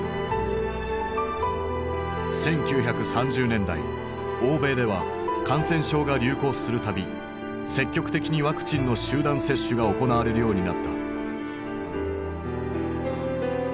１９３０年代欧米では感染症が流行する度積極的にワクチンの集団接種が行われるようになった。